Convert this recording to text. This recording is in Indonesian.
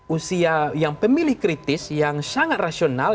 usia yang pemilih kritis yang sangat rasional